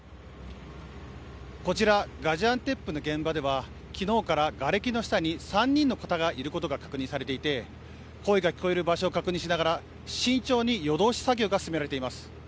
こちらガジアンテップの現場では昨日から、がれきの下に３人の方がいることが確認されていて声が聞こえる場所を確認しながら慎重に夜通し作業が進められています。